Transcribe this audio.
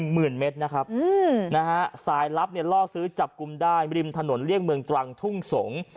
หมื่นเมตรนะครับสายลับเนี่ยล่อซื้อจับกลุ่มได้ริมถนนเลี่ยงเมืองตรังทุ่งสงศ์